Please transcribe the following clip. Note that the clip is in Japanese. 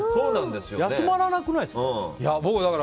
休まれなくないですか。